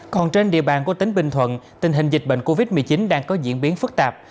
còn trên địa bàn của tỉnh bình thuận tình hình dịch bệnh covid một mươi chín đang có diễn biến phức tạp